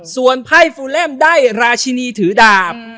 ส่วนไพ่ฟูแลมได้ราชินีถือดาบ